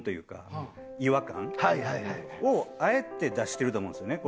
違和感をあえて出してると思うんですよね。